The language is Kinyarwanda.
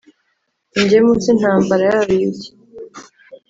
Ingemu z'intambara y'ababiligi